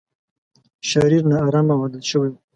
شرير، نا ارامه او عادت شوی و.